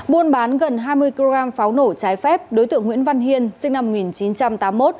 buôn bán gần hai mươi kg pháo nổ trái phép đối tượng nguyễn văn hiên sinh năm một nghìn chín trăm tám mươi một